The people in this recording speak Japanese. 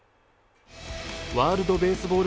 ワールドベースボール